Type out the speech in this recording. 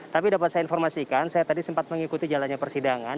tapi dapat saya informasikan saya tadi sempat mengikuti jalannya persidangan